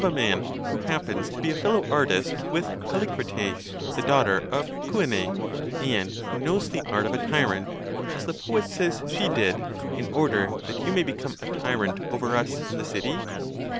409 man, who happens to be a fellow artist with Callicrété the daughter of Cyané, and who knows the art of a tyrant, as the poet says she did, in order that you may become a tyrant over us and the city